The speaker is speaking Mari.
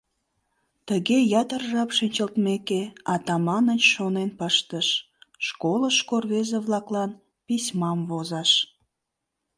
Тыге ятыр жап шинчылтмеке, Атаманыч шонен пыштыш: «Школышко рвезе-влаклан письмам возаш.